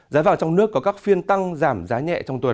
giá vàng trong nước có các phiên tăng giảm giá nhẹ trong tuần